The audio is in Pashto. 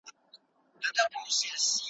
دا نری غږ د چا و؟